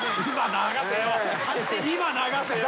今流せよ。